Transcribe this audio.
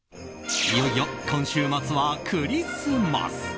いよいよ、今週末はクリスマス。